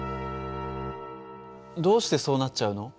どうしてそうなっちゃうの？